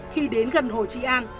khi đến gần hồ chí an